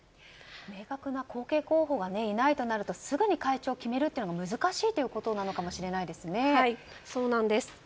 明確な後継候補がいないとなるとすぐに会長を決めるのは難しいということなのかもそうなんです。